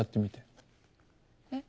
えっ？